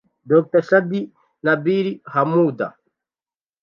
Dr Shady Nabil Hammouda